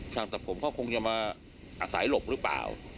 ตัดผมก็คงจะมาอาศัยหลบหรือเปล่า